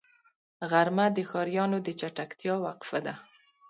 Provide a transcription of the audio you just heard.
غرمه د ښاريانو د چټکتیا وقفه ده